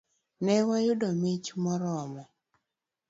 Ne wayudo mich moromo.